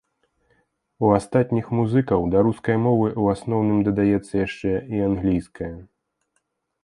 У астатніх музыкаў да раскай мовы ў асноўным дадаецца яшчэ і англійская.